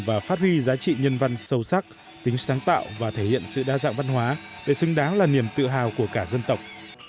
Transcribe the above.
và phát huy giá trị nhân văn sâu sắc tính sáng tạo và thể hiện sự đa dạng văn hóa để xứng đáng là niềm tự hào của cả dân tộc